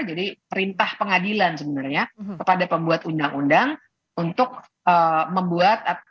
jadi perintah pengadilan sebenarnya kepada pembuat undang undang untuk membuat